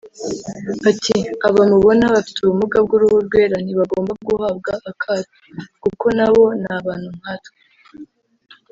Ati “aba mubona bafite ubumuga bw’uruhu rwera ntibagomba guhabwa akato kuko nabo ni abantu nkatwe